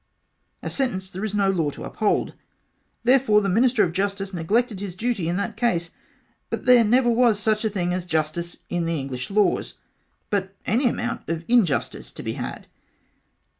a sentence that there is no law to uphold therefore the Minister of Justice neglected his duty in that case, but there never was such a thing as Justice in the English laws but any amount of injustice to be had.